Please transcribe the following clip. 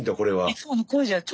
いつもの声じゃない。